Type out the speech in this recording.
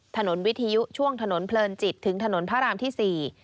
วิทยุช่วงถนนเพลินจิตถึงถนนพระรามที่๔